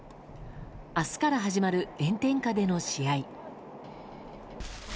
明日から始まる炎天下での試合。